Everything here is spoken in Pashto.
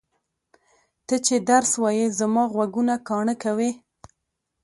ته چې درس وایې زما غوږونه کاڼه کوې!